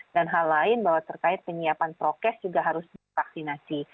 dan hal lain bahwa terkait penyiapan prokes juga harus divaksinasi